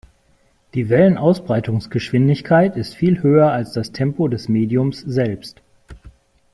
Die Wellenausbreitungsgeschwindigkeit ist viel höher als das Tempo des Mediums selbst.